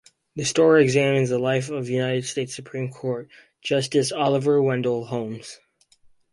The story examines the life of United States Supreme Court Justice Oliver Wendell Holmes.